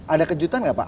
ada kejutan gak pak